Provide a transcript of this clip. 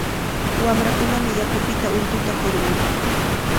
Wamrakunami yakupita ultuta hurqun.